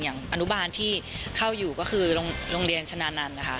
อนุบาลที่เข้าอยู่ก็คือโรงเรียนชนะนันต์นะคะ